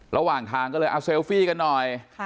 ระหว่างทางก็เลยเอาเซลฟี่กันหน่อย